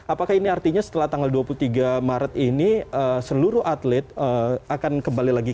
apakah ini artinya setelah tanggal dua puluh tiga maret ini seluruh atlet akan kembali lagi